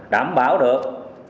đảm bảo được